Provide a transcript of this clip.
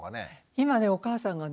今ねお母さんがね